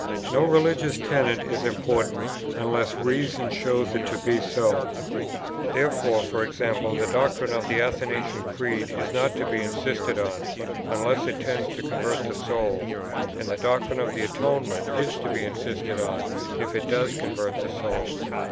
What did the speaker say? No religious tenet is important, unless reason shows it to be so. Therefore, e.g. the doctrine of the Athanasian Creed is not to be insisted on, unless it tends to convert the soul; and the doctrine of the Atonement is to be insisted on, if it does convert the soul.